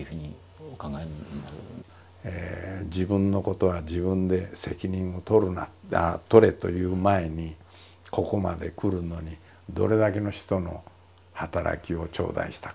自分のことは自分で責任を取れと言う前にここまで来るのにどれだけの人の働きを頂戴をしたか。